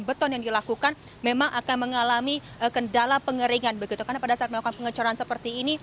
beton yang dilakukan memang akan mengalami kendala pengeringan begitu karena pada saat melakukan pengecoran seperti ini